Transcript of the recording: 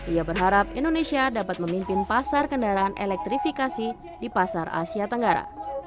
ia berharap indonesia dapat memimpin pasar kendaraan elektrifikasi di pasar asia tenggara